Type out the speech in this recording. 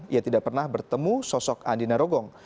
ia tidak pernah bertemu sosok andina rogong